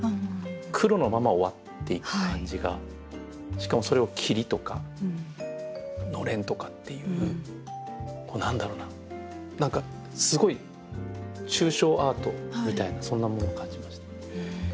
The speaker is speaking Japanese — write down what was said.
しかもそれを「霧」とか「のれん」とかっていう何だろうな何かすごい抽象アートみたいなそんなものを感じました。